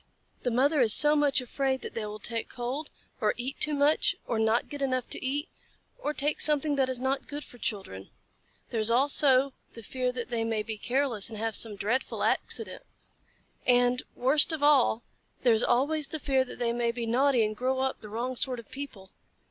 The mother is so much afraid that they will take cold, or eat too much, or not get enough to eat, or take something that is not good for children. There is also the fear that they may be careless and have some dreadful accident. And, worst of all, there is always the fear that they may be naughty and grow up the wrong sort of people.